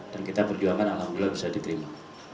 dan kita berjuangkan alhamdulillah bisa diterima